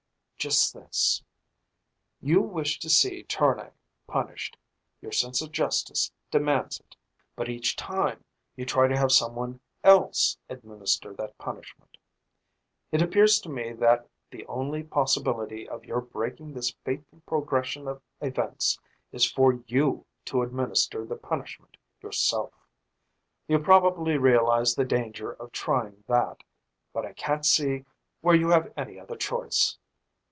"Just this. You wish to see Tournay punished your sense of justice demands it. But each time you try to have someone else administer that punishment. It appears to me that the only possibility of your breaking this fateful progression of events is for you to administer the punishment yourself. You probably realize the danger of trying that. But I can't see where you have any other choice."